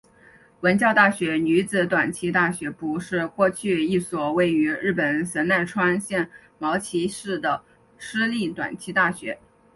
文教大学女子短期大学部是过去一所位于日本神奈川县茅崎市的私立短期大学。